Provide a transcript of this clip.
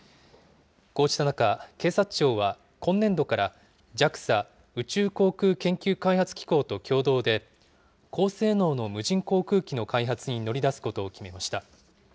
こうした中、警察庁は今年度から、ＪＡＸＡ・宇宙航空研究開発機構と共同で、高性能の無人航空機の開発に乗り出すことを決めました。